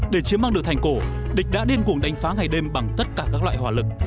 để chiếm mang được thành cổ địch đã điên cùng đánh phá ngày đêm bằng tất cả các loại hỏa lực